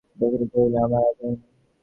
রুক্মিণী কহিল, আমি আর জানি না!